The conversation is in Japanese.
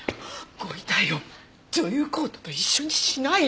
ご遺体を女優コートと一緒にしないで！